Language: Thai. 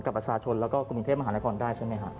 กับประชาชนแล้วก็กรุงเทพมหานครได้ใช่ไหมครับ